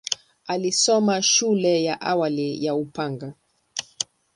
Alisoma shule ya awali ya Upanga.